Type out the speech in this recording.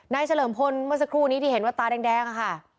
เฉลิมพลเมื่อสักครู่นี้ที่เห็นว่าตาแดงค่ะ